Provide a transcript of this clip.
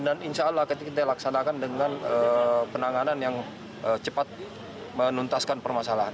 dan insya allah kita laksanakan dengan penanganan yang cepat menuntaskan permasalahan